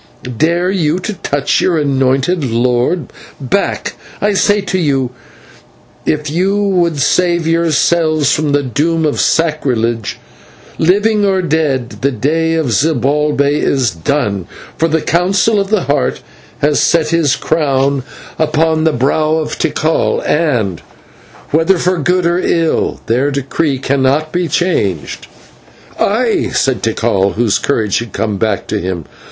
dare you to touch your anointed lord? Back, I say to you, if you would save yourselves from the doom of sacrilege. Living or dead, the day of Zibalbay is done, for the Council of the Heart has set his crown upon the brow of Tikal, and, whether for good or ill, their decree cannot be changed." "Aye!" said Tikal, whose courage had come back to him.